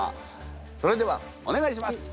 それではお願いします。